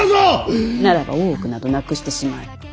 ならば大奥などなくしてしまえ。